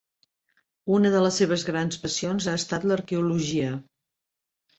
Una de les seves grans passions ha estat l’arqueologia.